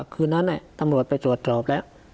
คือนั้นเนี่ยตำรวจไปสวดสอบแล้ว